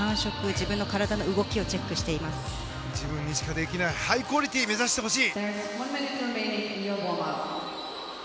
自分にしかできないハイクオリティーを目指してほしい。